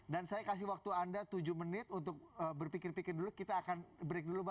dan saya kasih waktu anda tujuh menit untuk berpikir pikir dulu kita akan break dulu